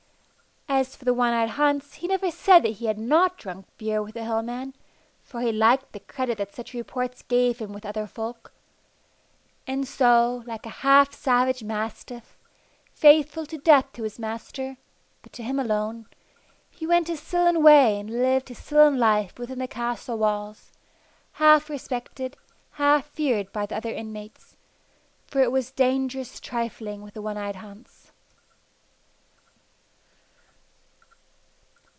As for the one eyed Hans he never said that he had not drunk beer with the Hill man, for he liked the credit that such reports gave him with the other folk. And so, like a half savage mastiff, faithful to death to his master, but to him alone, he went his sullen way and lived his sullen life within the castle walls, half respected, half feared by the other inmates, for it was dangerous trifling with the one eyed Hans.